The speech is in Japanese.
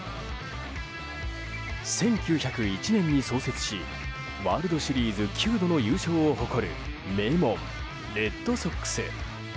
１９０１年に創設しワールドシリーズ９度の優勝を誇る名門レッドソックス。